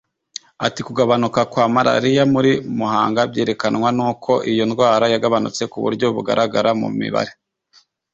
ati ’’Kugabanuka kwa malariya muri Muhanga byerekanwa n’uko iyo ndwara yagabanutse ku buryo bugaragara mu mibare